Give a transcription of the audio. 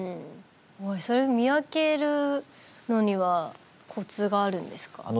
それ、見分けるのにはコツがあるんですか。